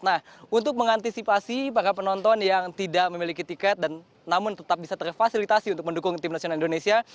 nah untuk mengantisipasi para penonton yang tidak memiliki tiket dan namun tetap bisa terfasilitasi untuk mendukung tim nasional indonesia